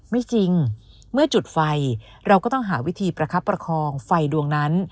ไม่จริงเมื่อจุดไฟเราก็ต้องหาวิธีประคับประคองไฟดวงนั้น